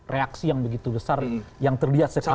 reaksi yang begitu besar yang terlihat sekarang